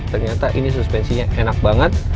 ternyata ini suspensinya enak banget